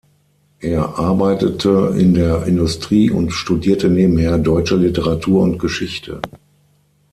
Er arbeitete in der Industrie und studierte nebenher deutsche Literatur und Geschichte.